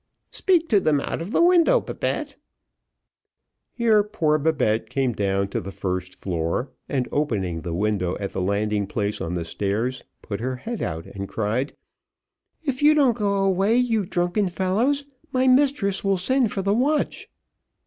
"Speak to them out of the window, Babette." Here poor Babette came down to the first floor, and opening the window at the landing place on the stairs, put her head out and cried, "If you don't go away, you drunken fellows, my mistress will send for the watch."